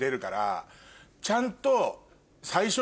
ちゃんと。